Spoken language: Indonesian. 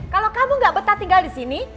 kalau kamu gak betah tinggal disini